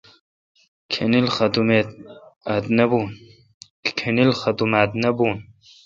کھانیل ختم آت نہ بھون۔